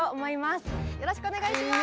よろしくお願いします。